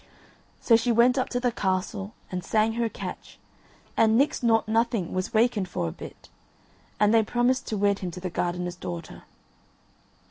So she went up to the castle and sang her catch and Nix Nought Nothing was wakened for a bit and they promised to wed him to the gardener's daughter.